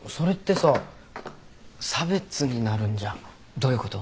どういうこと？